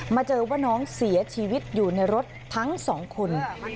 เจอว่าน้องเสียชีวิตอยู่ในรถทั้งสองคน